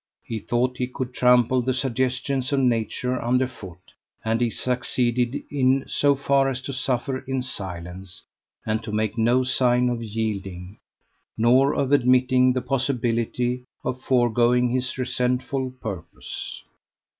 He thought he could trample the suggestions of nature under foot, and he succeeded in so far as to suffer in silence, and to make no sign of yielding, nor of admitting the possibility of foregoing his resentful purpose.